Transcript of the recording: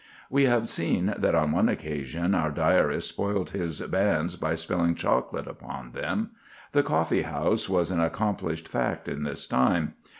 We have seen that on one occasion our diarist spoilt his bands by spilling chocolate upon them. The coffee house was an accomplished fact in his time.